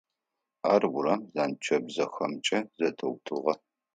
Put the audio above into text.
Ар урам зэнкӏабзэхэмкӏэ зэтеутыгъэ.